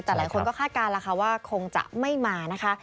แต่หลายคนก็คาดการณ์แล้วค่ะว่าคงจะไม่มานะคะ